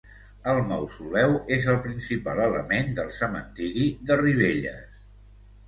El Mausoleu és el principal element del cementiri de Ribelles.